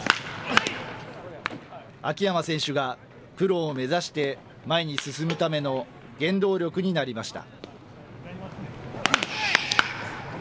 秋山選手がプロを目指して前に進むための原動力になりました。